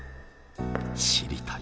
「知りたい」。